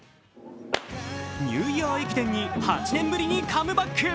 ニューイヤー駅伝に８年ぶりにカムバック。